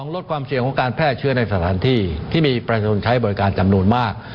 ลดความเสี่ยงของการแพร่เชื้อในสถานที่ที่มีประชาชนใช้บริการจำนวนมาก